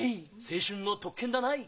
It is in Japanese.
青春の特権だない！